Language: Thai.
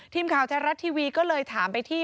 ทีมข่าวไทยรัฐทีวีก็เลยถามไปที่